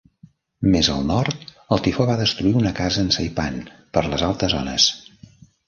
Més al nord, el tifó va destruir una casa en Saipan per les altes ones.